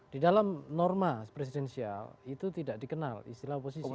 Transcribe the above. di dalam norma presidensial itu tidak dikenal istilah oposisi